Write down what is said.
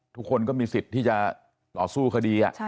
ทุกคนก็มีสิทธิ์ที่จะต่อสู้คดี